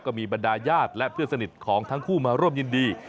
บรรดาญาติและเพื่อนสนิทของทั้งคู่มาร่วมยินดี